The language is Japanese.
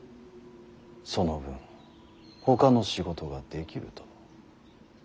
その分ほかの仕事ができると。